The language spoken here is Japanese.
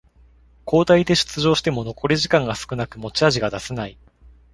交代で出場しても残り時間が少なく持ち味が出せない